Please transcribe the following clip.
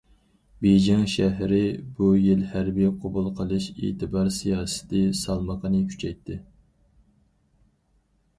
بېيجىڭ شەھىرى بۇ يىل ھەربىي قوبۇل قىلىش ئېتىبار سىياسىتى سالمىقىنى كۈچەيتتى.